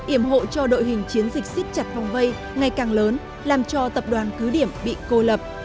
iểm hộ cho đội hình chiến dịch xích chặt phòng vây ngày càng lớn làm cho tập đoàn cứ điểm bị cô lập